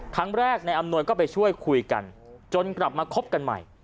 ครั้งแรกนายอำนวยก็ไปช่วยคุยกันจนกลับมาคบกันใหม่